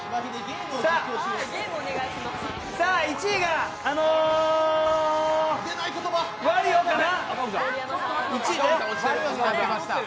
さあ、１位があの、マリオかな。